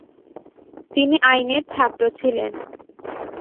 তিনি আইনের ছাত্র ছিলেন।